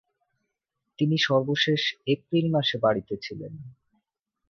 তিনি সর্বশেষ এপ্রিল মাসে বাড়িতে ছিলেন।